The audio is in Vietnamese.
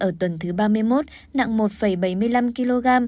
ở tuần thứ ba mươi một nặng một bảy mươi năm kg